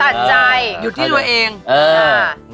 หยุดที่ตัวเองนะฮะใช่